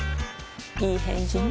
いい返事ね